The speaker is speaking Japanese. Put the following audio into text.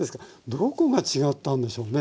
どこが違ったんでしょうね